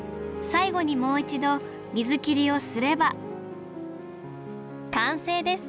最後にもう一度水切りをすれば完成です！